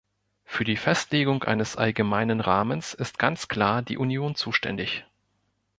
Für die Festlegung eines allgemeinen Rahmens ist ganz klar die Union zuständig.